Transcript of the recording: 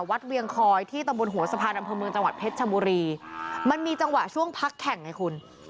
เวียงคอยที่ตำบลหัวสะพานอำเภอเมืองจังหวัดเพชรชบุรีมันมีจังหวะช่วงพักแข่งไงคุณ